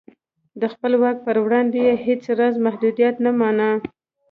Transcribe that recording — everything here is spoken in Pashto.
د خپل واک پر وړاندې یې هېڅ راز محدودیت نه مانه.